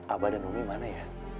aba dan ummi mana ya